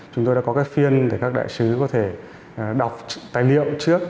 chúng tôi đã có các phiên để các đại sứ có thể đọc tài liệu trước